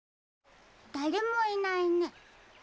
だれもいないね。